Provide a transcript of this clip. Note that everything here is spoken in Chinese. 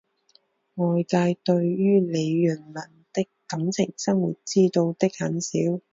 外界对于李闰珉的感情生活知道的很少。